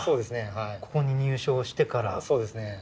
はいここに入省してからそうですね